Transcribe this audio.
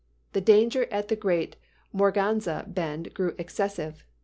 The danger at the great Morganza bend grew excessive.